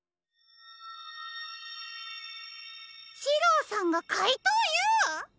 シローさんがかいとうＵ！？